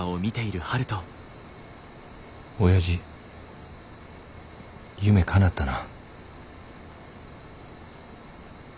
おやじ夢かなったな。